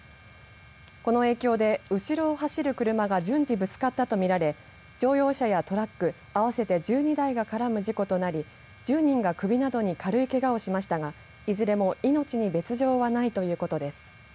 この影響で後ろを走る車が順次ぶつかったと見られ乗用車やトラック合わせて１２台が絡む事故となり１０人が首などに軽いけがをしましたがいずれも命に別状はないということです。